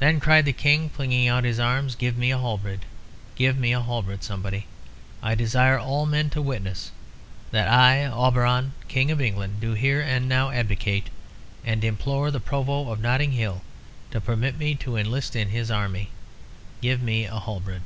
"Then," cried the King, flinging out his arms, "give me a halberd! Give me a halberd, somebody! I desire all men to witness that I, Auberon, King of England, do here and now abdicate, and implore the Provost of Notting Hill to permit me to enlist in his army. Give me a halberd!"